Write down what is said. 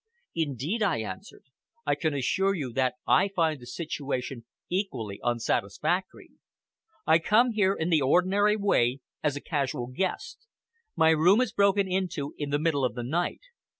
"Indeed," I answered. "I can assure you that I find the situation equally unsatisfactory. I come here in the ordinary way as a casual guest. My room is broken into in the middle of the night.